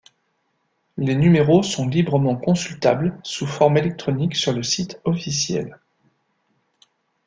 Les numéros sont librement consultables sous forme électronique sur le site officiel.